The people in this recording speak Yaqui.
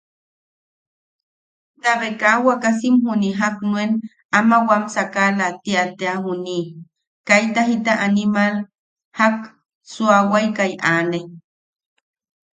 Tabe kaa wakasim juni jak nuen ama wam sakala tia tea junii, kaita jita animal jak suawakai aane.